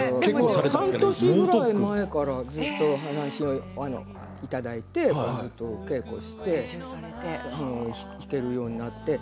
半年くらい前からずっと三線をいただいて稽古して弾けるようになって。